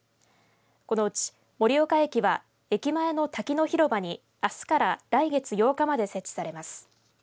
このうち盛岡駅は駅前の滝の広場にあすから来月８日まで設置されます。